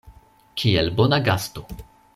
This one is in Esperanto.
Kiel bona gasto.